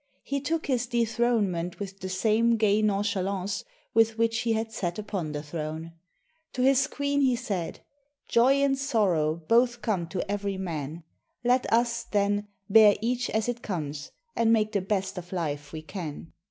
He took his de thronement with the same gay nonchalance with which he had sat upon the throne. To his queen he said, 6i CHINA "Joy and sorrow both come to every man. Let us, then, bear each as it comes, and make the best of life we can."